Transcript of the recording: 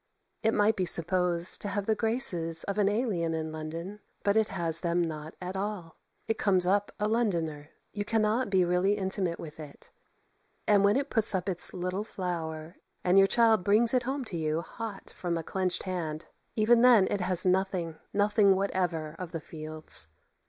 It might be supposed to have the graces of an alien in London. But it has them not at all; it comes up a Londoner. You cannot be really intimate with it; and when it puts up its little flower, and your child brings it home to you hot from a clenched hand, even then it has nothing, nothing whatever, of the fields.